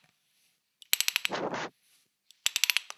na tano hadi mwaka elfu moja mia tisa sabini na mojaNa baada ya